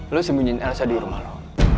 lu sembunyi elsa di rumah lo